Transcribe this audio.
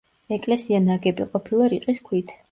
ეკლესია ნაგები ყოფილა რიყის ქვით.